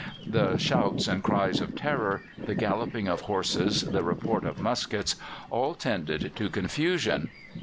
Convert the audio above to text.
The shouts and cries of terror, the galloping of horses, the report of muskets, all tended to confusion.